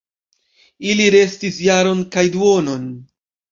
Ili restis jaron kaj duonon.